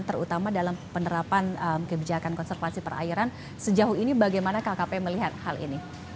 terutama dalam penerapan kebijakan konservasi perairan sejauh ini bagaimana kkp melihat hal ini